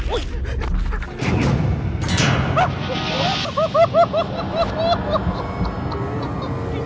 โอ้ยจัดเลย